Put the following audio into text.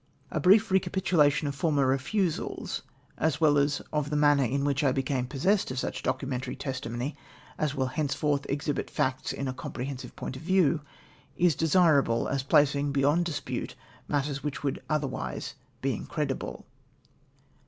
A brief recapitulation of former refusals, as well as of the manner in Avhich I became possessed of such documentary testimony as mU hence forth exhibit facts in a comprehensive point of view, is desirable, as placing beyond dispute matters which would other\Adse be incredible.